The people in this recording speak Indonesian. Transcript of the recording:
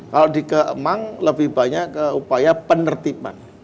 kalau di kemang lebih banyak ke upaya penertiban